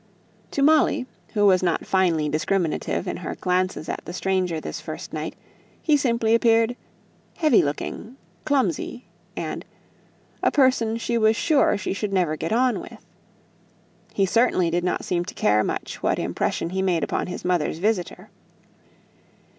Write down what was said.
To Molly, who was not finely discriminative in her glances at the stranger this first night, he simply appeared "heavy looking, clumsy," and "a person she was sure she should never get on with." He certainly did not seem to care much what impression he made upon his mother's visitor.